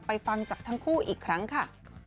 ฟังจากทั้งคู่อีกครั้งค่ะ